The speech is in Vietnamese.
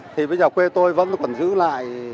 thì bây giờ quê tôi vẫn còn giữ lại